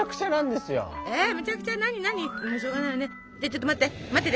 じゃちょっと待って。